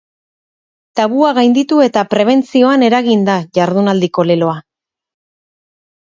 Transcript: Tabua gainditu eta prebentzioan eragin da jardunaldiko leloa.